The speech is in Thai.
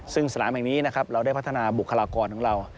ซึ่งสถานที่แห่งนี้เราได้พัฒนาบุคลากรของเรา